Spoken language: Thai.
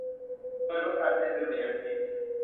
โดยลดการใช้ดุลยพินิจ